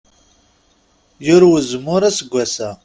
Yurew uzemmur aseggas-a.